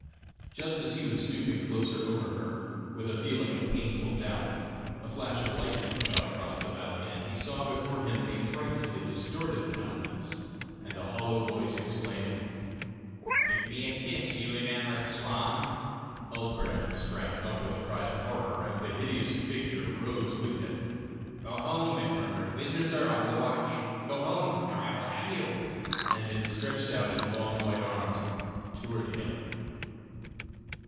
Just as he was stooping closer over her, with a feeling of painful doubt, a flash of lightning shot across the valley, and he saw before him a frightfully distorted countenance, and a hollow voice exclaimed: "Give me a kiss, you enamoured swain!" Huldbrand sprang up with a cry of horror, and the hideous figure rose with him. "Go home!" it murmured; "wizards are on the watch. Go home! or I will have you!" and it stretched out its long white arms toward him.